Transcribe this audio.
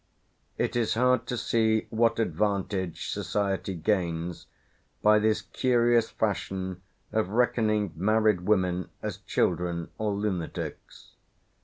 It is hard to see what advantage society gains by this curious fashion of reckoning married women as children or lunatics.